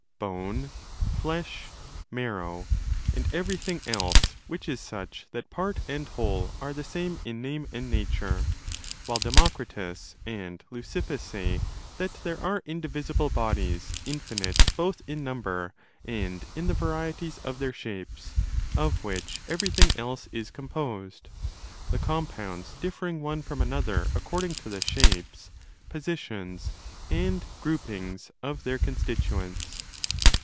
ao bone, flesh, marrow, and everything else which is such that part and whole are the same in name and nature; while Demokritos and Leukippos say that there are indivisible bodies, infinite both in number and in the varieties of their shapes, of which everything else is composed—the com pounds differing one from another according to the shapes, ' positions', and ' groupings' of their constituents.)